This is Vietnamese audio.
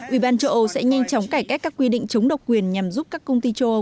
ủy ban châu âu sẽ nhanh chóng cải cách các quy định chống độc quyền nhằm giúp các công ty châu âu